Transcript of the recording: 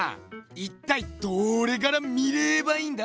いったいどれから見ればいいんだ？